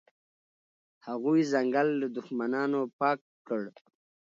هغوی ځنګل له دښمنانو پاک کړ.